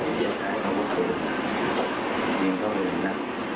แต่ผมเชื่อชัยเขาก็คิดว่าวิ่งเขาเลยนะ